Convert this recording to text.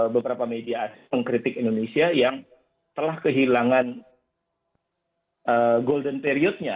beberapa media pengkritik indonesia yang telah kehilangan golden period nya